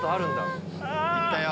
行ったよ。